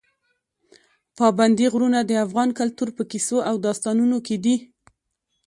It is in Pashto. پابندي غرونه د افغان کلتور په کیسو او داستانونو کې دي.